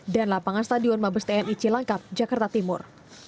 dan lapangan stadion mabestian icilangkap jakarta timur